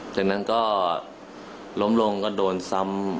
จากนั้นก็ล้มลงก็โดนซ้ำ